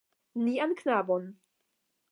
Nian knabon.